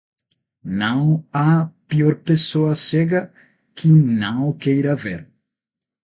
Não há pior pessoa cega que não queira ver.